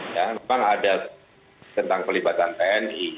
ya memang ada tentang pelibatan tni